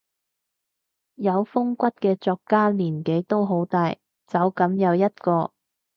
有風骨嘅作家年紀都好大，走噉又一個